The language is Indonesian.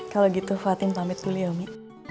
kalau gitu fatin pamit kuliah umi